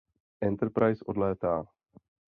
Enterprise odlétá.